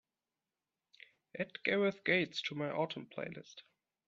add gareth gates to my autumn playlist